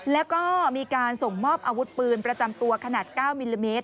แล้วก็มีการส่งมอบอาวุธปืนประจำตัวขนาด๙มิลลิเมตร